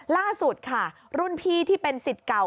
ล่าสุดค่ะรุ่นพี่ที่เป็นสิทธิ์เก่า